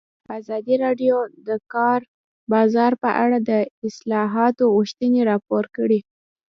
ازادي راډیو د د کار بازار په اړه د اصلاحاتو غوښتنې راپور کړې.